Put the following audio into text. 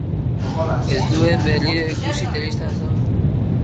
Ez nuen berriro ikusi, telebistan azaldu zen batean izan ezik.